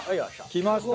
きました。